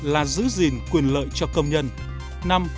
bốn là giữ gìn quyền lợi cho công nhân